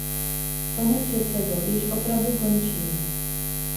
Pane předsedo, již opravdu končím.